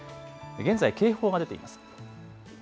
現在、警報が出ています。